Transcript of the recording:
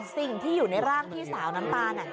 สิ่งที่อยู่ในร่างพี่สาวน้ำตาล